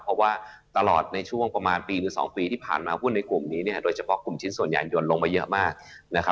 เพราะว่าตลอดในช่วงประมาณปีหรือ๒ปีที่ผ่านมาหุ้นในกลุ่มนี้โดยเฉพาะกลุ่มชิ้นส่วนยานยนต์ลงมาเยอะมากนะครับ